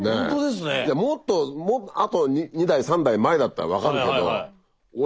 もっとあと２代３代前だったら分かるけど俺のおやじじゃん。